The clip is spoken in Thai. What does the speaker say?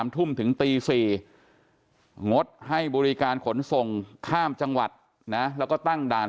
ทุ่มถึงตี๔งดให้บริการขนส่งข้ามจังหวัดนะแล้วก็ตั้งด่าน